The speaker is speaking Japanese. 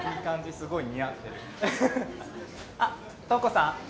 すごい似合ってるあっ瞳子さん